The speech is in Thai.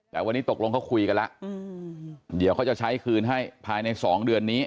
แต่วันนี้ตกลงเขาคุยกันแล้วเดี๋ยวเขาจะใช้คืนให้ภายใน๒เดือนนี้